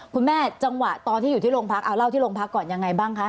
จังหวะตอนที่อยู่ที่โรงพักเอาเล่าที่โรงพักก่อนยังไงบ้างคะ